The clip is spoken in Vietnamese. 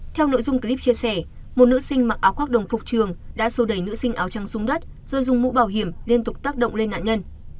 theo nội dung clip chia sẻ một nữ sinh mặc áo khoác đồng phục trường đã sô đẩy nữ sinh áo trắng xuống đất rồi dùng mũ bảo hiểm liên tục tác động lên nạn nhân